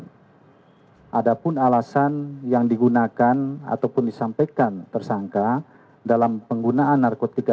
hai ada pun alasan yang digunakan ataupun disampaikan tersangka dalam penggunaan narkotika